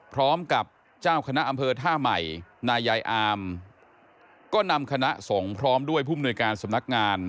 พร้อมกับเจ้าคณะอำเภอท่าใหม่นายายอามก็นำคณะสงฆ์พร้อมด้วยผู้มนุยการสำนักงาน